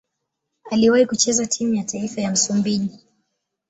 Aliwahi kucheza timu ya taifa ya Msumbiji.